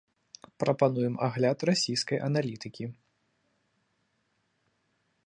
Прапануем агляд расійскай аналітыкі.